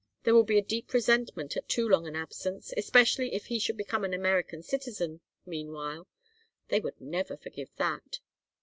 There will be deep resentment at too long an absence, especially if he should become an American citizen meanwhile. They would never forgive that.